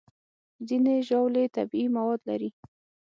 ځینې ژاولې طبیعي مواد لري.